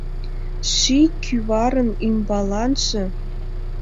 Ший кӱварын ӱмбаланже